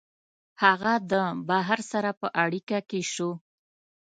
هغه د بهر سره په اړیکه کي سو